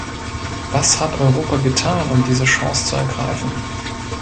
Was hat Europa getan, um diese Chance zu ergreifen?